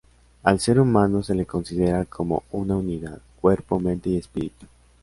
Al ser humano se le considera como una unidad: cuerpo, mente y espíritu.